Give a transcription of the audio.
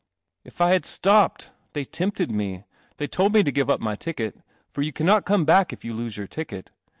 " If I had stopped ! They tempted me. They told me to give up my ticket — for you cannot come back if you lose your ticket.